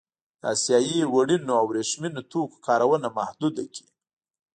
د اسیايي وړینو او ورېښمينو توکو کارونه محدوده کړي.